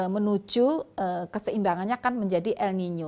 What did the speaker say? menuju keseimbangannya akan menjadi el nino